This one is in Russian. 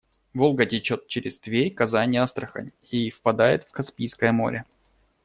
Волга течёт через Тверь, Казань и Астрахань и впадает в Каспийское море.